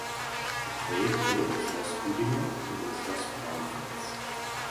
Gedreht wurde im Schloss Büdingen und im Schloss Braunfels.